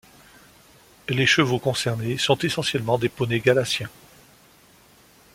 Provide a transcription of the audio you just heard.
Les chevaux concernés sont essentiellement des poneys galiciens.